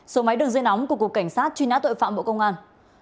số máy đường dây nóng của cục cảnh sát truy nã tội phạm bộ công an